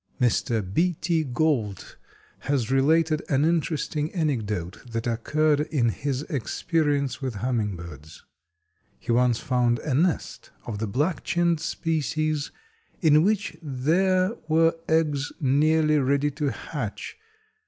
Mr. B. T. Gault has related an interesting anecdote that occurred in his experience with hummingbirds. He once found a nest of the Black chinned species in which there were eggs nearly ready to hatch.